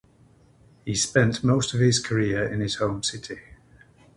He spent most of his career in his home city.